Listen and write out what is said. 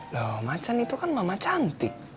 loh macan itu kan mama cantik